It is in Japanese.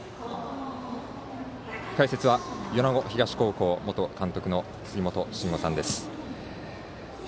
解説は米子東高校元監督の杉本真吾さんです。